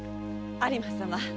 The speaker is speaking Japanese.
有馬様